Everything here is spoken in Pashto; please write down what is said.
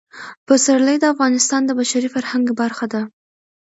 پسرلی د افغانستان د بشري فرهنګ برخه ده.